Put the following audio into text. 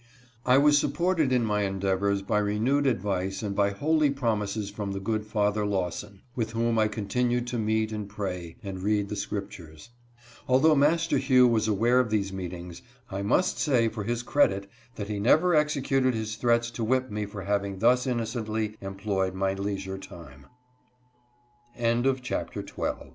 I was supported in my endeavors by renewed advice and by holy promises from the good father Lawson, with whom 1 continued to meet and pray and read the Scriptures. Although Master Hugh was aware of these meetings, I must say for his credit that he never executed his threats to whip me for having thus innocently em